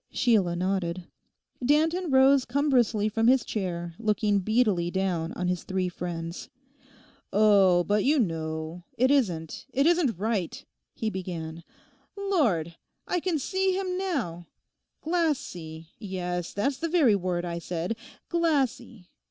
Sheila nodded. Danton rose cumbrously from his chair, looking beadily down on his three friends. 'Oh, but you know, it isn't—it isn't right,' he began. 'Lord! I can see him now. Glassy—yes, that's the very word I said—glassy.